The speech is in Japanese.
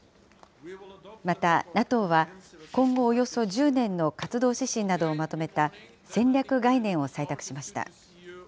またＮＡＴＯは、今後およそ１０年の活動指針などをまとめた戦略概念を採択しました。